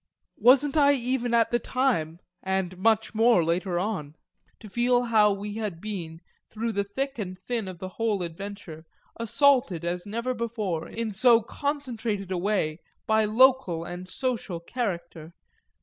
Wasn't I even at the time, and much more later on, to feel how we had been, through the thick and thin of the whole adventure, assaulted as never before in so concentrated a way by local and social character?